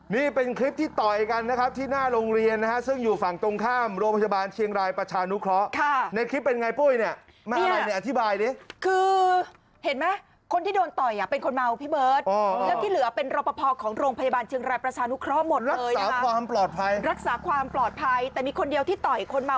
นี่เป็นคลิปที่ต่อยกันนะครับที่หน้าโรงเรียนนะฮะซึ่งอยู่ฝั่งตรงข้ามโรงพยาบาลเชียงรายประชานุเคราะห์ในคลิปเป็นไงปุ้ยเนี่ยมาอะไรเนี่ยอธิบายดิคือเห็นไหมคนที่โดนต่อยอ่ะเป็นคนเมาพี่เบิร์ตแล้วที่เหลือเป็นรอปภของโรงพยาบาลเชียงรายประชานุเคราะห์หมดรักษาความปลอดภัยรักษาความปลอดภัยแต่มีคนเดียวที่ต่อยคนเมา